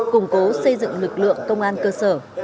củng cố xây dựng lực lượng công an cơ sở